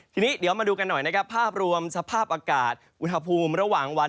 ทีนี้เดี๋ยวมาดูกันหน่อยนะครับภาพรวมสภาพอากาศอุณหภูมิระหว่างวัน